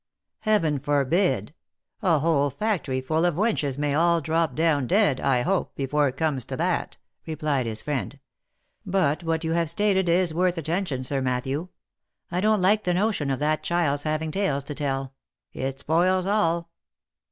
f* Heaven forbid ! A whole factory full of wenches may all drop down dead, I hope, before it comes to that," replied his friend. " But what you have stated is worth attention, Sir Matthew. I don't like the notion of that child's having tales to tell. It spoils all."